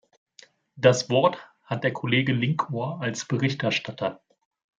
Das Wort hat der Kollege Linkohr als Berichterstatter.